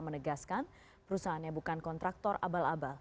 menegaskan perusahaannya bukan kontraktor abal abal